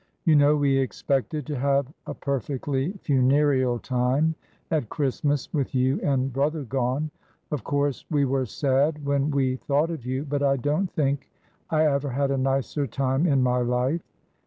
You know we expected to have a perfectly funereal time at Christmas, with you and brother gone. Of course we were sad when we thought of you ; but I don't think I ever had a nicer time in my life.